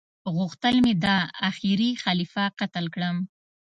غوښتل مي دا اخيري خليفه قتل کړم